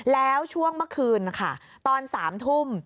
แล้วช่วงเมื่อคืนค่ะตอน๓ทุ่ม